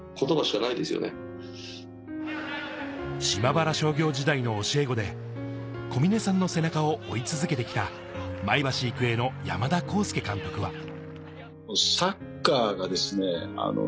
島原商業時代の教え子で、小嶺さんの背中を追い続けてきた前橋育英の山田耕介監督は。